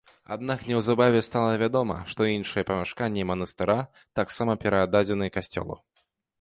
Аднак неўзабаве стала вядома, што іншыя памяшканні манастыра таксама перададзены касцёлу.